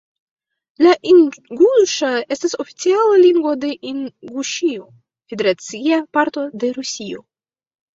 La inguŝa estas oficiala lingvo de Inguŝio, federacia parto de Rusio.